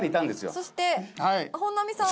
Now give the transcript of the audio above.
そして本並さんは。